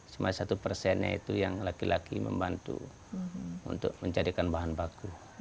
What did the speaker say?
cuma satu persennya itu yang laki laki membantu untuk mencarikan bahan baku